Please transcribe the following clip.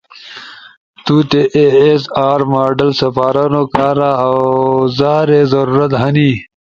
تو تے اے ایس ار ماڈل سپارونو کارا آوزارے ضرورت ہنی